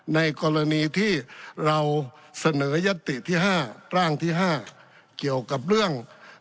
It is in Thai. ในกรณีที่เราเสนอยัตติที่๕ร่างที่๕เกี่ยวกับเรื่อง